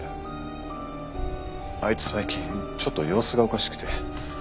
あいつ最近ちょっと様子がおかしくて。